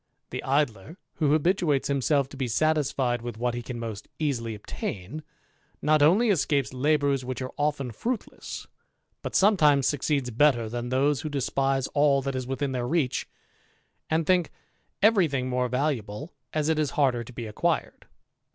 The Idler, who habituates himself to be satisfied with what he can most easily obtain, not only escapes labours which are often fruitless, but sometimes succeeds better than those who despise all that is within their reach, and think every thing more valuable as it is harder to be acquired.